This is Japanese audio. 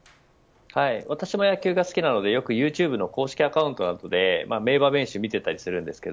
私も野球が好きなので、よくユーチューブの公式アカウントなどで名場面集を見ていたりします。